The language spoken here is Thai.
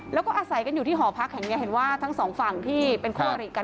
แล้วก็อาศัยกันอยู่ที่หอพักแห่งนี้เห็นว่าทั้งสองฝั่งที่เป็นคู่อริกัน